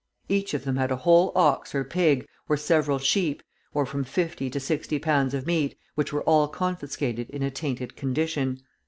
Each of them had a whole ox or pig, or several sheep, or from fifty to sixty pounds of meat, which were all confiscated in a tainted condition.